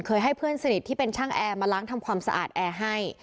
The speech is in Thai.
ให้เพื่อนสนิทที่เป็นช่างแอร์มาล้างทำความสะอาดแอร์ให้